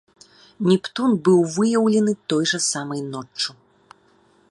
Нептун быў выяўлены той жа самай ноччу.